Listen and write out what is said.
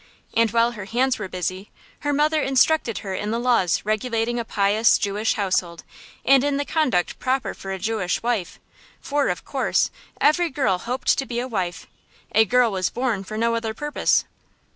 And while her hands were busy, her mother instructed her in the laws regulating a pious Jewish household and in the conduct proper for a Jewish wife; for, of course, every girl hoped to be a wife. A girl was born for no other purpose.